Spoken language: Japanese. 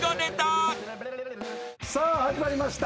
さあ始まりました。